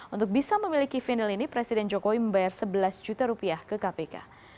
untuk bisa memiliki final ini presiden jokowi membayar sebelas juta rupiah ke kpk